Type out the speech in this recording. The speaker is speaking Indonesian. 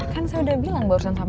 kan saya udah bilang barusan sama